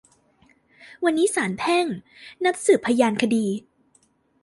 วันนี้ศาลแพ่งนัดสืบพยานคดี